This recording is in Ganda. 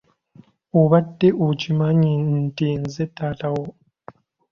Obadde okimanyi nti nze taata wo.